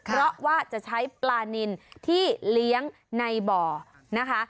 เพราะว่าจะใช้ปลานินที่เลี้ยงในบ่อนะคะ